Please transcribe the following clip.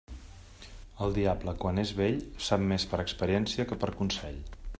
El diable, quan és vell, sap més per experiència que per consell.